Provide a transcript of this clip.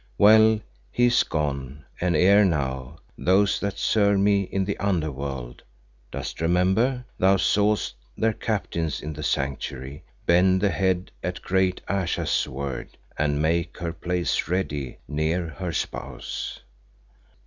Well, he is gone, and ere now, those that serve me in the Under world dost remember? thou sawest their captains in the Sanctuary bend the head at great Ayesha's word and make her place ready near her spouse.